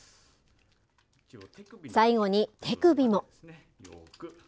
最後に手首も。